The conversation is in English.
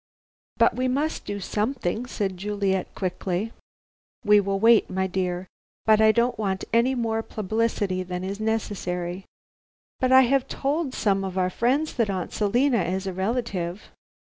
"But we must do something," said Juliet quickly. "We will wait, my dear. But I don't want more publicity than is necessary." "But I have told some of our friends that Aunt Selina is a relative."